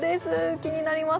気になります